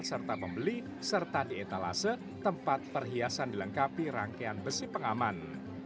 serta pembeli serta di etalase tempat perhiasan dilengkapi rangkaian besi pengaman